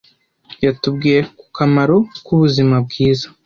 Yatubwiye ku kamaro k'ubuzima bwiza.